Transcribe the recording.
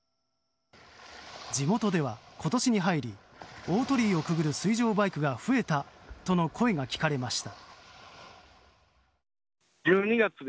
地元では今年に入り大鳥居をくぐる水上バイクが増えたとの声が聞かれました。